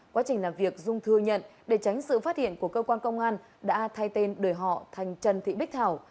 quá trình làm việc dung thừa nhận để tránh sự phát hiện của cơ quan công an đã thay tên đổi họ thành trần thị bích thảo